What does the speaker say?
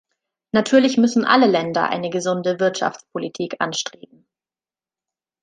Natürlich müssen alle Länder eine gesunde Wirtschaftspolitik anstreben.